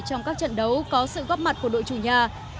trong các trận đấu có sự góp mặt của đội chủ nhà